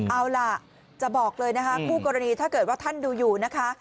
เอาล่ะจะบอกเลยนะคะคู่กรณีถ้าเกิดว่าท่านดูอยู่นะคะ